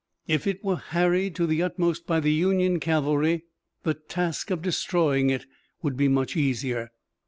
If it were harried to the utmost by the Union cavalry the task of destroying it would be much easier.